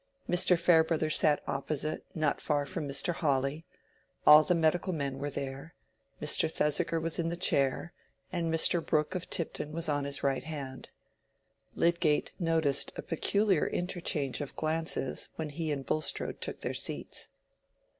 Mr. Farebrother sat opposite, not far from Mr. Hawley; all the medical men were there; Mr. Thesiger was in the chair, and Mr. Brooke of Tipton was on his right hand. Lydgate noticed a peculiar interchange of glances when he and Bulstrode took their seats.